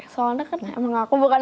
soalnya kan emang aku bukan